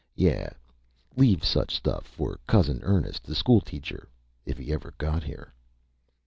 Yeah leave such stuff for Cousin Ernest, the school teacher if he ever got here.